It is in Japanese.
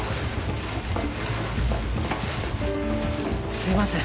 すいません。